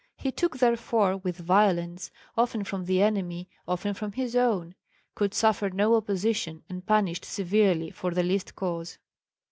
He took therefore with violence, often from the enemy, often from his own, could suffer no opposition, and punished severely for the least cause.